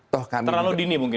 terlalu dini mungkin